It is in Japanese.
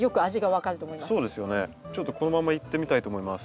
ちょっとこのままいってみたいと思います。